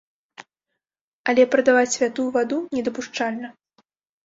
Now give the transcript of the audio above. Але прадаваць святую ваду, недапушчальна.